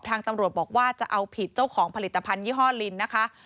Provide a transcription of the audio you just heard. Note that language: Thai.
ทางตำรวจบอกว่าจะเอาผิดเจ้าของผลิตภัณฑยี่ห้อลินนะคะ